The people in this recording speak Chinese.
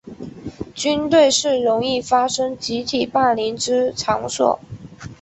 军队是容易发生集体霸凌之场所。